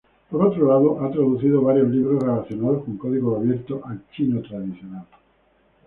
Por otro lado ha traducido varios libros relacionados con código abierto al chino tradicional.